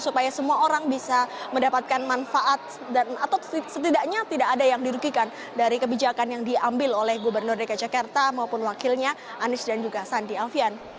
supaya semua orang bisa mendapatkan manfaat dan atau setidaknya tidak ada yang dirugikan dari kebijakan yang diambil oleh gubernur dki jakarta maupun wakilnya anies dan juga sandi alfian